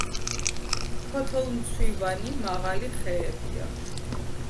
ფოთოლმცვივანი მაღალი ხეებია.